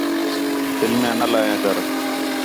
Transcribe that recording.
فلماں نہ لائیاں کر